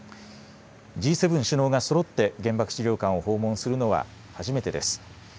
Ｇ７首脳がそろって原爆資料館を訪問するのは初めてです。